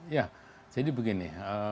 ya jadi begini